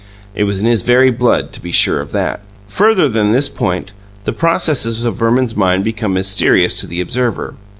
It was in his very blood to be sure of that. Further than this point, the processes of Verman's mind become mysterious to the observer.